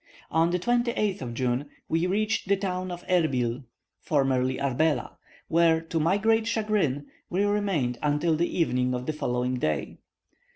On the 28th of June we reached the town of Erbil (formerly Arbela), where, to my great chagrin, we remained until the evening of the following day.